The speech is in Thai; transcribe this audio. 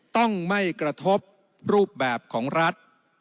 ต้องไม่กระทบรูปแบบของรัฐ